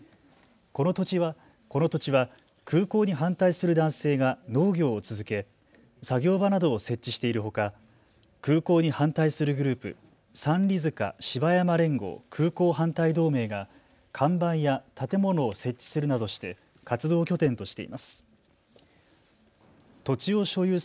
この土地は空港に反対する男性が農業を続け作業場などを設置しているほか空港に反対するグループ、三里塚芝山連合空港反対同盟が看板や建物を設置するなどして活動拠点としています。